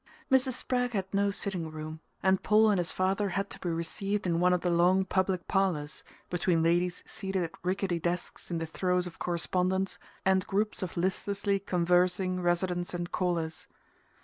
Mrs. Spragg had no sitting room, and Paul and his father had to be received in one of the long public parlours, between ladies seated at rickety desks in the throes of correspondence and groups of listlessly conversing residents and callers.